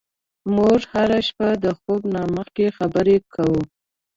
موږ هره شپه د خوب نه مخکې خبرې کوو.